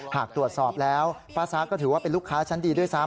หากตรวจสอบแล้วป้าซ้าก็ถือว่าเป็นลูกค้าชั้นดีด้วยซ้ำ